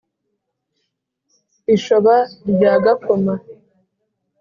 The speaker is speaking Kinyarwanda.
Ishoba rya Gakoma